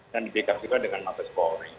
dan dibekas juga dengan matas polri